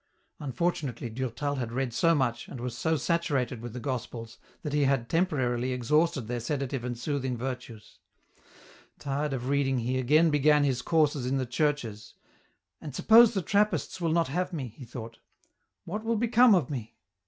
Unfortunately, Durtal had read so much, and was so saturated with the Gospels, that he had temporarily ex hausted their sedative and soothing virtues. Tired of reading, he again began his courses in the churche " And K 2 132 EN ROUTE. suppose the Trappists will not have me," he thought, " what will become of me